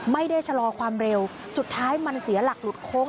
ไม่ได้ชะลอความเร็วสุดท้ายมันเสียหลักหลุดโค้ง